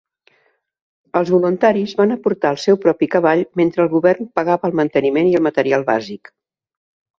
Els voluntaris van aportar el seu propi cavall mentre el govern pagava el manteniment i el material bàsic.